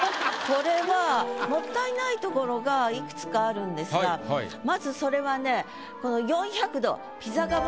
これはもったいないところがいくつかあるんですがまずそれはね